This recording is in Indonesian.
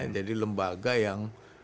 jadi lembaga yang